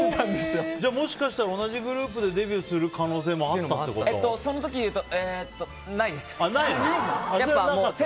もしかしたら同じグループでデビューする可能性もあったってこと？